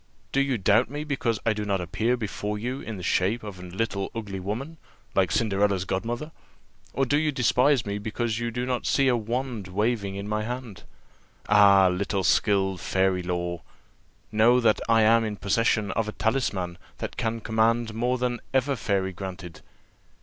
Do you doubt me because I do not appear before you in the shape of a little ugly woman, like Cinderella's godmother? or do you despise me because you do not see a wand waving in my hand? 'Ah, little skilled of fairy lore!' know that I am in possession of a talisman that can command more than ever fairy granted.